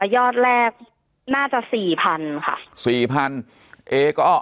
ยอดแรกน่าจะ๔๐๐๐ค่ะ